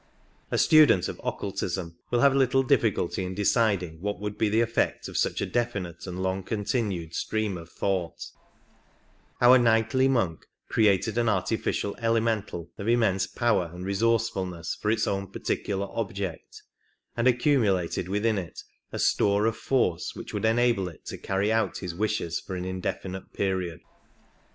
A student of occultism will have little difficulty in deciding what would be the effect of such a definite and long continued stream of thought ; our knightly monk created an artificial elemental of immense power and resourcefulness for its own particular object, and accumu lated within it a store of force which would enable it to carry out his wishes for an indefinite period.